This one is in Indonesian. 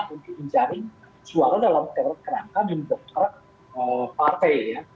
untuk mencari suara dalam perangkat untuk merangkak partai ya